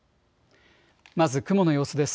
まず雲の様子です。